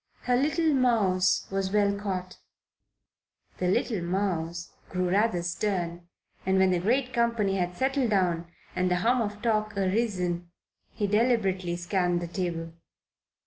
Her little mouse was well caught. The little mouse grew rather stern, and when the great company had settled down, and the hum of talk arisen, he deliberately scanned the table.